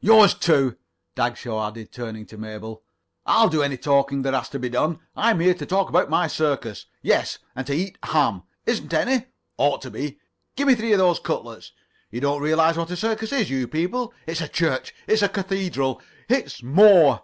"Yours, too," Dagshaw added, turning to Mabel. [Pg 28]"I'll do any talking that has to be done. I'm here to talk about my circus. Yes, and to eat ham. Isn't any? Ought to be. Give me three of those cutlets. You don't realize what a circus is, you people. It's a church. It's a cathedral. It's more."